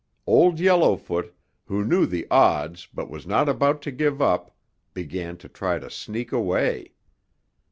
Old Yellowfoot, who knew the odds but was not about to give up, began to try to sneak away.